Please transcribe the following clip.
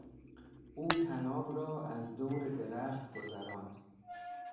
او طناب را از دور درخت گذراند.